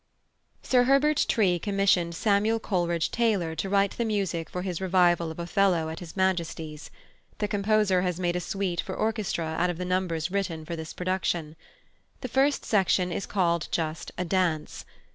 Sir Herbert Tree commissioned +Samuel Coleridge Taylor+ to write the music for his revival of Othello at His Majesty's. The composer has made a suite for orchestra out of the numbers written for this production. The first section is called just a Dance.